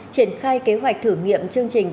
triển khai kế hoạch thử nghiệm chương trình